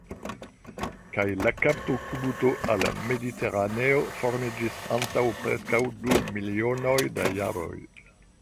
Kaj la kaptokubuto al Mediteraneo formiĝis antaŭ preskaŭ du milionoj da jaroj.